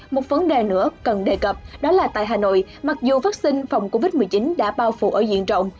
một vấn đề nữa cần đề cập đó là tại hà nội mặc dù vaccine phòng covid một mươi chín đã bao phủ ở diện rộng